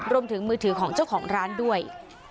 รวมถึงมือถือของเจ้าของร้านด้วย